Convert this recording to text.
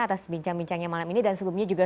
atas bincang bincangnya malam ini dan sebelumnya juga